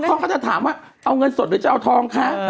เขาก็จะถามว่าเอาเงินสดหรือจะเอาทองคะ